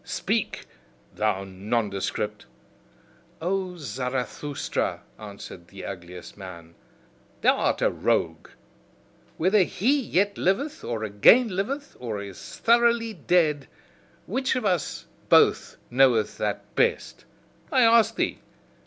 Speak, thou nondescript!" "O Zarathustra," answered the ugliest man, "thou art a rogue! Whether HE yet liveth, or again liveth, or is thoroughly dead which of us both knoweth that best? I ask thee.